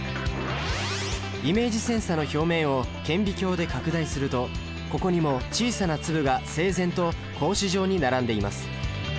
イメージセンサの表面を顕微鏡で拡大するとここにも小さな粒が整然と格子状に並んでいます。